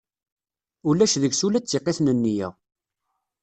Ulac deg-s ula d tiqit n neyya.